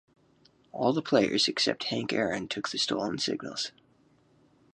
All the players except Hank Aaron took the stolen signals.